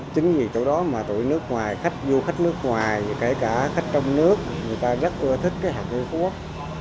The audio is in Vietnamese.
chính vì chỗ đó mà tụi nước ngoài khách du khách nước ngoài kể cả khách trong nước rất ưa thích hạt dung phú quốc